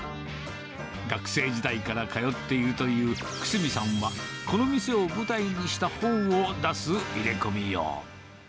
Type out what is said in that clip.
学生時代から通っているという久住さんは、この店を舞台にした本を出す入れ込みよう。